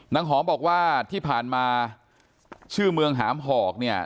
หอมบอกว่าที่ผ่านมาชื่อเมืองหามหอกเนี่ย